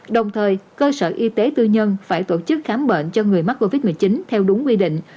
đồng thời cơ sở y tế tư nhân phải tổ chức khám bệnh cho người mắc covid một mươi chín theo đúng quy định